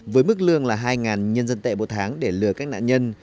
với mức lương là hai nhân dân tệ một tháng để lừa các nạn nhân